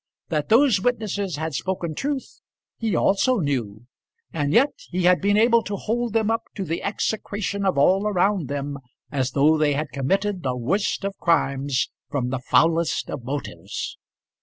That those witnesses had spoken truth he also knew, and yet he had been able to hold them up to the execration of all around them as though they had committed the worst of crimes from the foulest of motives!